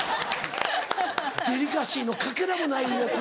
デリカシーのかけらもないいうやつ？